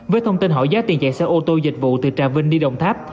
với thông tin hỏi giá tiền chạy xe ô tô dịch vụ từ trà vinh đi đồng tháp